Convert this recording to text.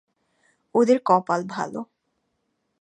ওদের কপাল ভালো।